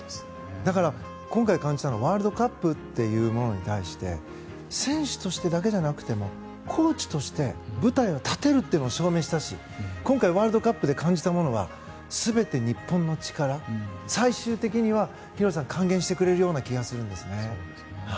だから、今回感じたのはワールドカップというものに対して選手としてだけじゃなくてもコーチとして舞台に立てるというのを証明したし今回、ワールドカップで感じたものは全て日本の力へ最終的には喜熨斗さん還元してくれる気がするんですね。